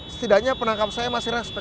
setidaknya penangkap saya masih respec